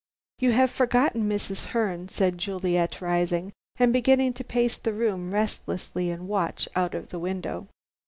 "You have forgotten Mrs. Herne," said Juliet, rising, and beginning to pace the room restlessly and watch out of the window.